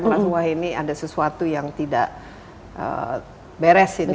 karena suah ini ada sesuatu yang tidak beres ini